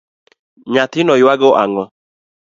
Nyathino ywago ango.